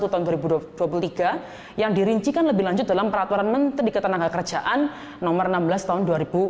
tahun dua ribu dua puluh tiga yang dirincikan lebih lanjut dalam peraturan menteri ketenagakerjaan nomor enam belas tahun dua ribu dua puluh